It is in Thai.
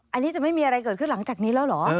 อันนี้จะไม่มีอะไรเกิดขึ้นหลังจากนี้แล้วเหรอ